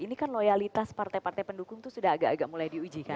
ini kan loyalitas partai partai pendukung itu sudah agak agak mulai diuji kan